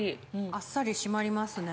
あっさり締まりますね。